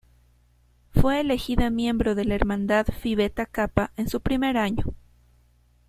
Fue elegida miembro de la hermandad Phi Beta Kappa en su primer año.